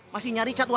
mas gun kemana